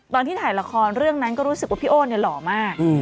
ตอนที่ถ่ายละครเรื่องนั้นก็รู้สึกว่าพี่โอ้หล่อมาก